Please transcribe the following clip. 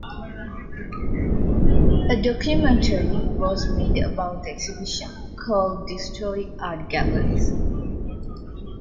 A documentary was made about the exhibition, called "Destroy Art Galleries".